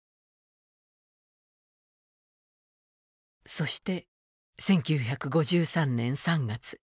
そして１９５３年３月。